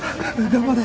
頑張れ！